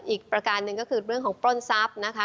อีกประการหนึ่งก็คือเรื่องของปล้นทรัพย์นะคะ